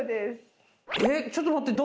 えっちょっと待って大丈夫？